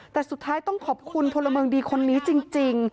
แต่สุดท้ายต้องขอบคุณพลเมืองดีคนนี้จริง